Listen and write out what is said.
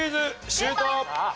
シュート！